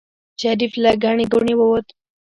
شريف له ګڼې ګوڼې ووت.